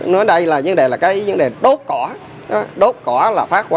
nói đây là vấn đề là cái vấn đề đốt cỏ đốt cỏ là phát khóa